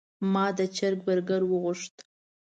ما د چرګ برګر وغوښت.